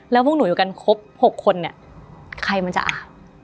แล้วพวกหนูอยู่กันครบ๖คนเนี่ยใครมันจะอ่ะ